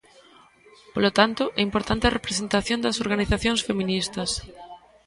Polo tanto, é importante a representación das organizacións feministas.